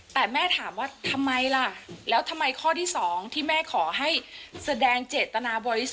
แต่แม่ถามว่าทำไมล่ะ